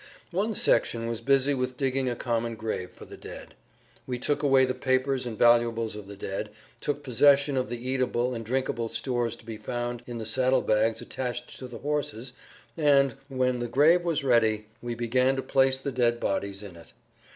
One section was busy with digging a common grave for the dead. We took away the papers and valuables of the dead, took possession of the eatable and drinkable stores to be found in the saddle bags attached to the horses and, when the grave was ready, we began to place the dead bodies in it.